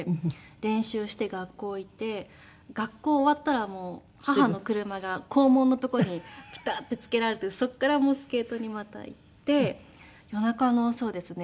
練習して学校行って学校終わったら母の車が校門の所にピタッて着けられてそこからスケートにまた行って夜中のそうですね。